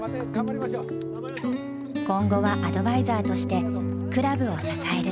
今後はアドバイザーとしてクラブを支える。